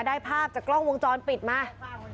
ภาพจากกล้องวงจรปิดมา